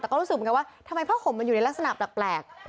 แต่ก็รู้สึกเหมือนกันว่าทำไมผ้าห่มมันอยู่ในลักษณะแปลก